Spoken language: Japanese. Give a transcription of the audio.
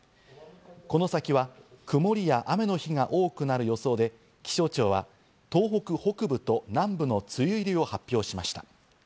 この先は曇りや雨の日が多くなる予想で、気象庁は東北北部と南部の梅雨入りを発表しました。